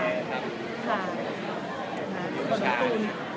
ขอแข่งข้าว